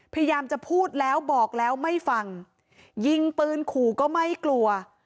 พยายามจะพูดแล้วบอกแล้วไม่ฟังยิงปืนขู่ก็ไม่กลัว